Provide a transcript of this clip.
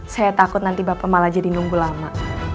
saya takut nanti bapak malah jadi nunggu lama